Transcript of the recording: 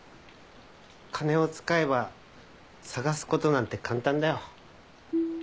金を使えば捜す事なんて簡単だよ。